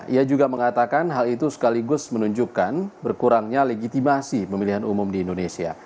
ia juga mengatakan hal itu sekaligus menunjukkan berkurangnya legitimasi pemilihan umum di indonesia